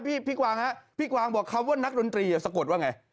พี่กวางฮะพี่กวางบอกคำว่านักดนตรีสะกดว่าไง